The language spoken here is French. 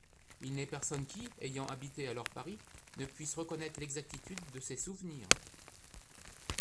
Il n'est personne qui, ayant habité alors Paris, ne puisse reconnaître l'exactitude de ces souvenirs.